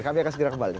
kami akan segera kembali